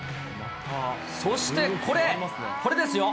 そしてこれ、これですよ。